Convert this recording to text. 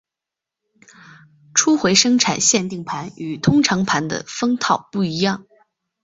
初回生产限定盘与通常盘的封套不一样。